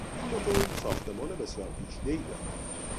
این موتور ساختمان بسیار پیچیدهای دارد.